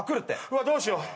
うわどうしよう。